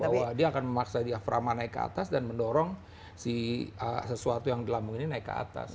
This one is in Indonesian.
bahwa dia akan memaksa diaframa naik ke atas dan mendorong si sesuatu yang di lambung ini naik ke atas